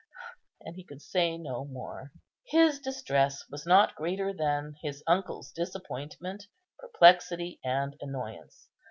and he could say no more. His distress was not greater than his uncle's disappointment, perplexity, and annoyance.